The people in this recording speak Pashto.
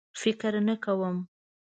فکر نه کوم.